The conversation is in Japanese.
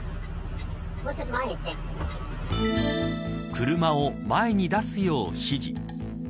車を前に出すよう指示。